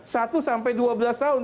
satu sampai dua belas tahun